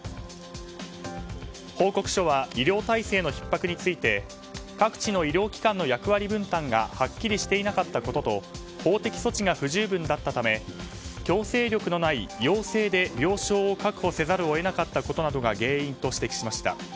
報告書は医療体制のひっ迫について各地の医療機関の役割分担がはっきりしていなかったことと法的措置が不十分だったため強制力のない要請で病床を確保せざるを得なかったことなどが指摘しました。